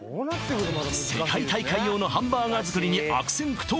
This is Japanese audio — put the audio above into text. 世界大会用のハンバーガー作りに悪戦苦闘